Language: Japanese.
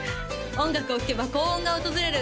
音楽を聴けば幸運が訪れる